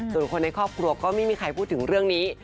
ส่วนคนในครอบครัวก็ไม่มีใครพูดถึงเรื่องนี้